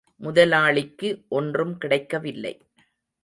முதலாளிக்கு ஒன்றும் கிடைக்கவில்லை.